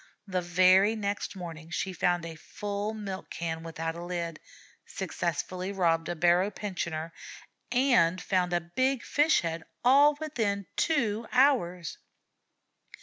The very next morning she found a full milk can without a lid, successfully robbed a barrow pensioner, and found a big fish head, all within two hours.